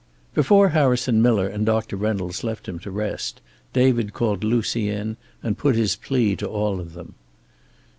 Before Harrison Miller and Doctor Reynolds left him to rest, David called Lucy in, and put his plea to all of them.